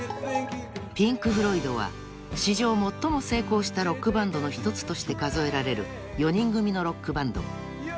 ［ピンク・フロイドは史上最も成功したロックバンドの一つとして数えられる４人組のロックバンド］